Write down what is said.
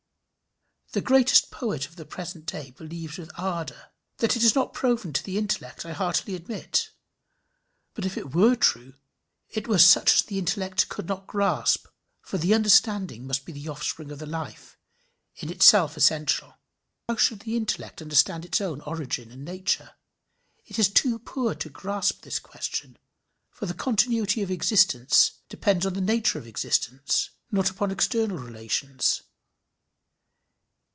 The greatest poet of the present day believes with ardour. That it is not proven to the intellect, I heartily admit. But if it were true, it were such as the intellect could not grasp, for the understanding must be the offspring of the life in itself essential. How should the intellect understand its own origin and nature? It is too poor to grasp this question; for the continuity of existence depends on the nature of existence, not upon external relations.